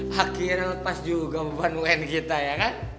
hah akhirnya lepas juga beban wn kita ya kan